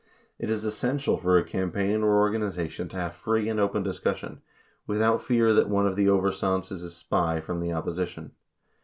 It is essential for a campaign or organization to have free and open discussion, without fear that one of the conversants is a spy from the opposition.